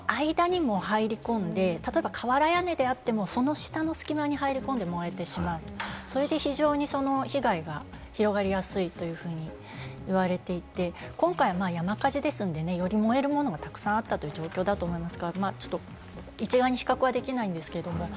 物の間にも入り込んで、例えば瓦屋根であっても、その下の隙間に入り込んで燃えてしまう、それで非常に被害が広がりやすいというふうに言われていて、今回、山火事ですんで、より燃えるものもたくさんあったという状況だと思うんです。